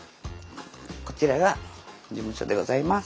こちらが事務所でございます。